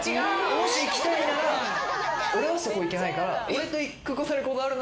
もし行きたいなら俺はそこ行けないから。